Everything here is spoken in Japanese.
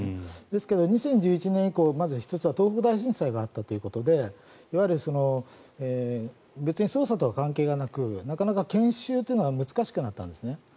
ですが２０１１年ごろにまず１つは東北大震災があったということでいわゆる別に捜査とは関係がなく研修というのが難しくなったんですね。